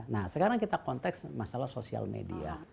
nah sekarang kita konteks masalah sosial media